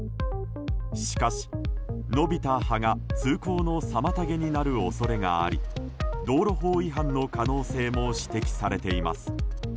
しかし、伸びた葉が通行の妨げになる恐れがあり道路法違反の可能性も指摘されています。